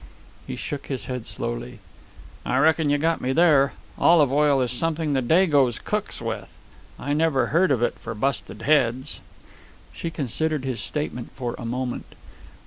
He shook his head slowly. "I reckon you got me there. Olive oil is something the dagoes cooks with. I never heard of it for busted heads." She considered his statement for a moment.